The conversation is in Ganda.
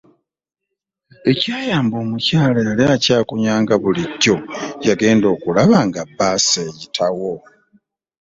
Ekyayamba omukyala yali akyekunya nga bulijjo yagenda okulaba nga bbaasi eyitawo.